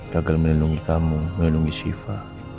gagal melindungi kamu melindungi siva